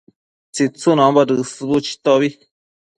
tsitsunombo dësbu chitobi